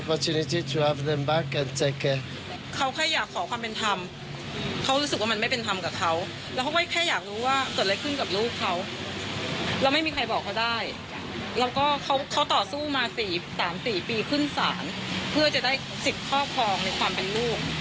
เพื่อจะได้สิทธิ์ครอบครองในความเป็นลูก